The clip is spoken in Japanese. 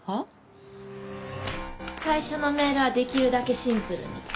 最初のメールはできるだけシンプルに。